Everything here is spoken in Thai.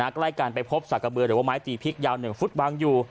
ใกล้กันไปพบสากะเบือหรือว่าไม้ตีพริกยาว๑ฟุตวางอยู่